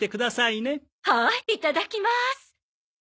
はいいただきます。